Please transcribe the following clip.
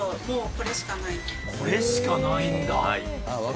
これしかないんだ。